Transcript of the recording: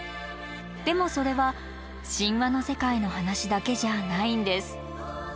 でもそれは神話の世界の話だけじゃないんです。